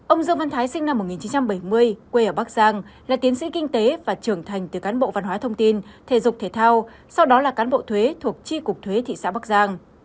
ông dương văn thái sinh năm một nghìn chín trăm bảy mươi quê ở bắc giang là tiến sĩ kinh tế và trưởng thành từ cán bộ văn hóa thông tin thể dục thể thao sau đó là cán bộ thuế thuộc chi cục thuế thị xã bắc giang